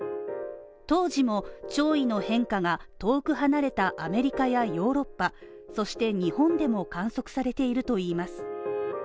当時も潮位の変化が、遠く離れたアメリカやヨーロッパ、そして日本でも観測されているといいます。